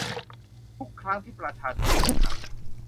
ทุกครั้งที่ประชาชนมีปัญหา